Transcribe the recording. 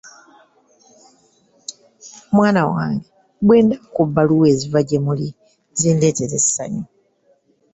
Mwana wange bwe ndaba ku bbaluwa eziva gye muli zindeetera essanyu.